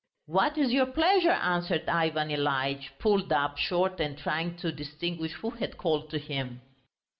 "What is your pleasure?" answered Ivan Ilyitch, pulled up short and trying to distinguish who had called to him.